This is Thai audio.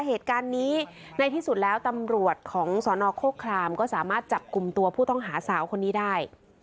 เหตุการณ์นี้ในที่สุดแล้วตำรวจของสนโครครามก็สามารถจับกลุ่มตัวผู้ต้องหาสาวคนนี้ได้